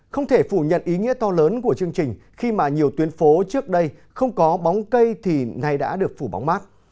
không thể phủ nhận ý nghĩa to lớn của chương trình khi mà nhiều tuyến phố trước đây không có bóng cây thì nay đã được phủ bóng mát